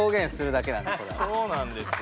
そうなんですよ。